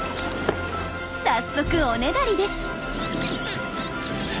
早速おねだりです。